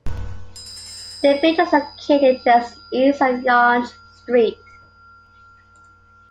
The bridge is located just east of Yonge Street.